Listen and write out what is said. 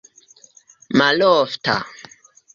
malofta